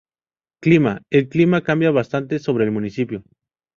Clima: El clima cambia bastante sobre el municipio.